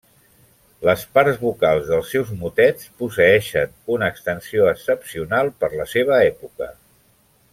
Les parts vocals dels seus motets posseeixen una extensió excepcional per la seva època.